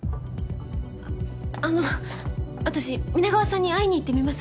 あっあの私皆川さんに会いにいってみます。